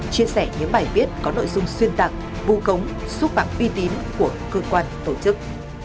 chia sẻ những bài viết có nội dung xuyên tạng vu gống xúc phạm uy tín của cơ quan tổ chức